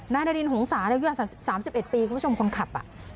นายนารินหงษาและเยือน๓๑ปีคุณผู้ชมคนขับ